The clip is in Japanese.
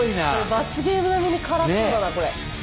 罰ゲーム並みに辛そうだな。